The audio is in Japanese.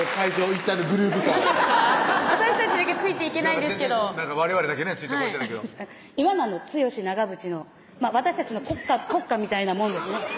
一体のグルーブ感私たちだけついていけないんですけどわれわれだけねついてこれてないけど今のはツヨシナガブチの私たちの国歌みたいなもんですね